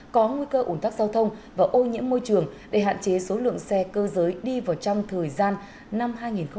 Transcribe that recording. có nguy cơ ủn tắc giao thông và ô nhiễm môi trường để hạn chế số lượng xe cơ giới đi vào trong thời gian năm hai nghìn hai mươi ba hai nghìn hai mươi năm